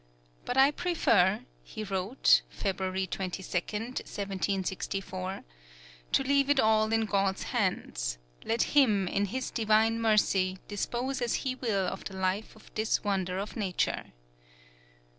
"But I prefer," he wrote (February 22, 1764), "to leave it all in God's hands; let Him, in His divine mercy, dispose as He will of the life of this wonder of nature."